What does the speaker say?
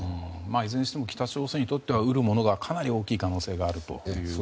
いずれにしても北朝鮮にしては得るものがかなり大きい可能性があると。